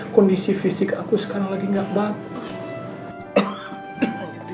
kondisi fisik aku sekarang lagi gak baik